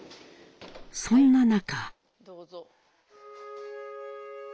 そんな中。